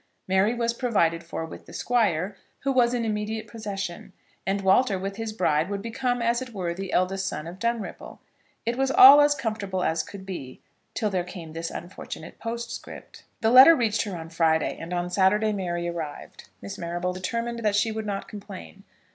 Mary was provided for with the Squire, who was in immediate possession; and Walter with his bride would become as it were the eldest son of Dunripple. It was all as comfortable as could be till there came this unfortunate postscript. The letter reached her on Friday, and on Saturday Mary arrived. Miss Marrable determined that she would not complain.